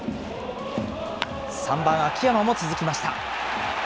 ３番秋山も続きました。